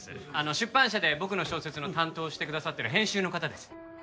出版社で僕の小説の担当をしてくださっている編集の方です。